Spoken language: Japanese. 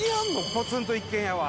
ポツンと一軒家は。